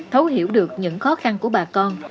thấu hiểu được những khó khăn của bà con